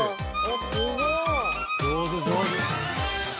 すごーい。